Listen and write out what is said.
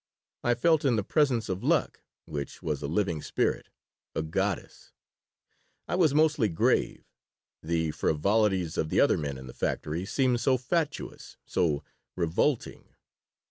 I felt in the presence of Luck, which was a living spirit, a goddess. I was mostly grave. The frivolities of the other men in the factory seemed so fatuous, so revolting.